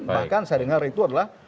bahkan saya dengar itu adalah